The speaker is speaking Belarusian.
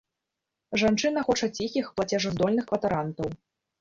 Жанчына хоча ціхіх плацежаздольных кватарантаў.